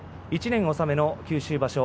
１年納めの九州場所